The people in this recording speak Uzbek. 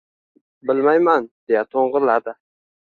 — Bilmayman! — deya to‘ng‘illadi.